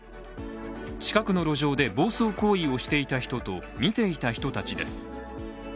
近くの路上で暴走行為をしていた人とみていた人たちです。